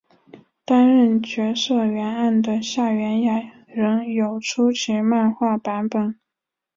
担任角色原案的夏元雅人有出其漫画版本。